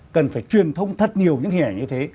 cần phải truyền thông thật nhiều những hình ảnh như thế